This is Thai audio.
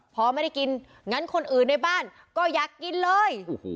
พอไม่ได้กินงั้นคนอื่นในบ้านก็อยากกินเลย